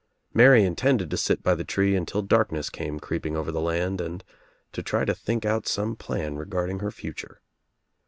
Mary in tended to sit by the tree until darkness came creep ing over the land and to try to think out some plan regarding her future.